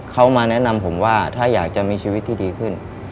เขามาแนะนำผมว่าถ้าอยากจะมีชีวิตที่ดีขึ้น